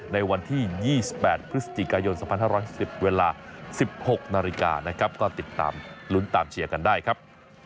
ในวันที่๒๘พฤศจิกายน๒๕๖๐เวลา๑๖นาฬิกานะครับก็ติดตามลุ้นตามเชียร์กันได้ครับ